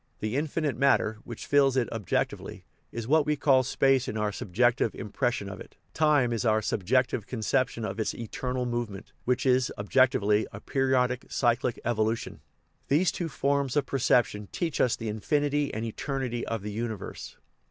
The infinite matter, which fills it objec tively, is what we call space in our subjective impres sion of it ; time is our subjective conception of its eternal movement, which is, objectively, a periodic, cyclic evo lution. These two " forms of perception " teach us the infinity and eternity of the universe.